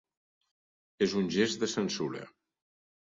És un gest de censura.